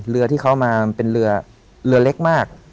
เรือที่เขามาเป็นเรือเรือเล็กมาก